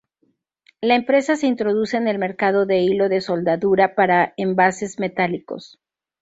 La empresa se introduce en el mercado de hilo de soldadura para envases metálicos.